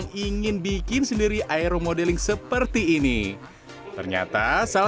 miniaturnya mirip dengan pesawat asli